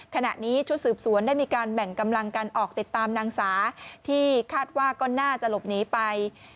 ขณะนี้ชุดสืบสวนได้มีการแบ่งกำลังกันออกติดตามนางสาที่คาดว่าก็น่าจะหลบหนีไป